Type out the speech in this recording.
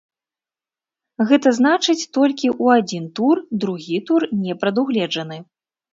Гэта значыць, толькі ў адзін тур, другі тур не прадугледжаны.